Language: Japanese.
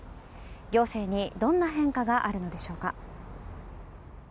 行政にどんな変化があるのでしょうか。